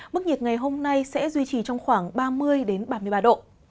mức nhiệt ngày hôm nay sẽ duy trì trong khoảng ba mươi ba mươi ba độ